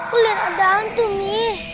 oleh ada anter mi